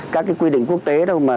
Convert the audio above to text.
các quy định quốc tế thôi mà